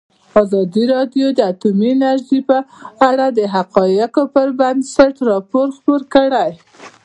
ازادي راډیو د اټومي انرژي په اړه د حقایقو پر بنسټ راپور خپور کړی.